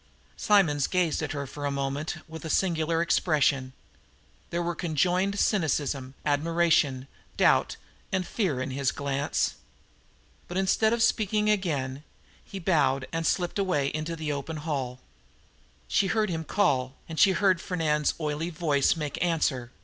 Simonds gazed at her for a moment with a singular expression. There were conjoined cynicism, admiration, doubt, and fear in his glance. But, instead of speaking again, he bowed and slipped away into the open hall. She heard him call, and she heard Fernand's oily voice make answer.